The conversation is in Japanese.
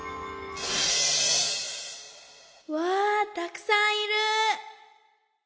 わあたくさんいる！